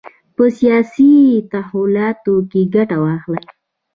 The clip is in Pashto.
په سیاسي تحولاتو کې ګټه واخلي.